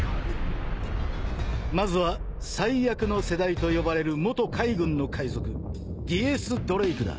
［まずは最悪の世代と呼ばれる元海軍の海賊Ｘ・ドレークだ］